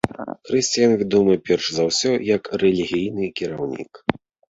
Крысціян вядомы, перш за ўсё, як рэлігійны кіраўнік.